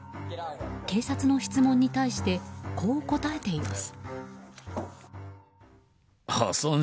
警察の質問に対してこう答えています。